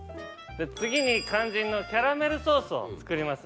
次に肝心のキャラメルソースを作りますんで。